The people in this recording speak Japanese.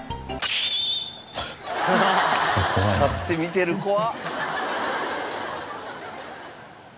立って見てる怖っ！